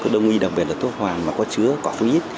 đông mi đặc biệt là thuốc hoàng mà có chứa có thuốc ít